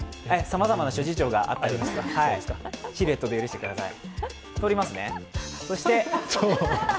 さまざまな諸事情があってシルエットで許してください。